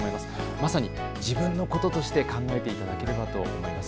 まさに自分のこととして考えていただければと思います。